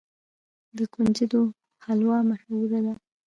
د کنجدو حلوه مشهوره ده.